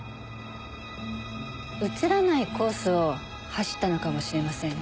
映らないコースを走ったのかもしれませんね。